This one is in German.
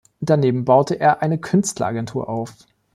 Daneben baute er eine Künstleragentur auf.